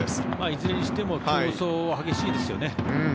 いずれにしても競争、激しいですよね。